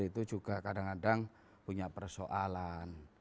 itu juga kadang kadang punya persoalan